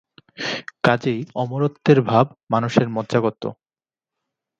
কাজেই অমরত্বের ভাব মানুষের মজ্জাগত।